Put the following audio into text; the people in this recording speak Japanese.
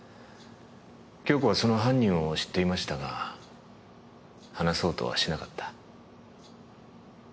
杏子はその犯人を知っていましたが話そうとはしなかった。